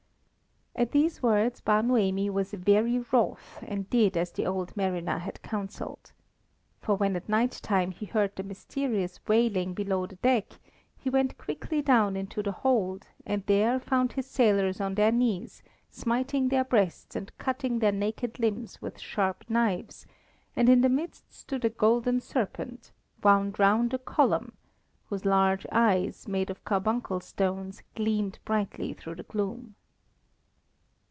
At these words Bar Noemi was very wrath, and did as the old mariner had counselled. For when at night time he heard the mysterious wailing below the deck, he went quickly down into the hold and there found his sailors on their knees, smiting their breasts and cutting their naked limbs with sharp knives, and in the midst stood a golden serpent, wound round a column, whose large eyes, made of carbuncle stones, gleamed brightly through the gloom.